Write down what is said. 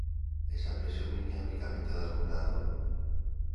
Esa presión viña unicamente do alumnado?